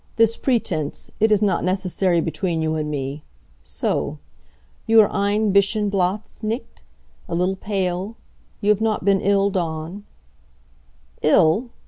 "This pretense, it is not necessary between you and me. So. You are ein bischen blasz, nicht? A little pale? You have not been ill, Dawn?" "Ill?